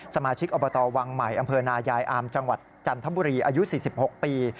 สมาชิกอบตวังใหม่อำเภอนายายอามจังหวัดจันทบุรีอายุ๔๖ปี